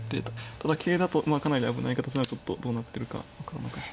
ただ桂だとかなり危ない形にはどうなってるか分からなかった。